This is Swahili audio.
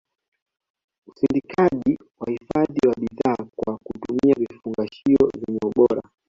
usindikaji na uhifadhi wa bidhaa kwa kutumia vifungashio vyenye ubora